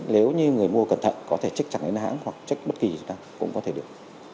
nếu như người mua cẩn thận có thể trích chặt đến hãng hoặc trích bất kỳ chúng ta cũng có thể được